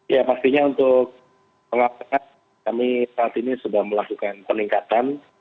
ya pastinya untuk pengamanan kami saat ini sudah melakukan peningkatan